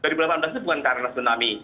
dua ribu delapan belas itu bukan karena tsunami